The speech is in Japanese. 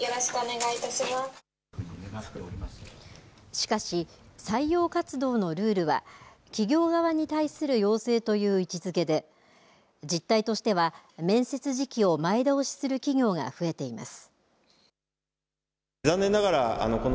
しかし、採用活動のルールは企業側に対する要請という位置づけで実態としては面接時期を前倒しする企業が増えています。